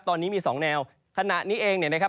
ตอนนี้มี๒แนวขณะนี้เองนะครับ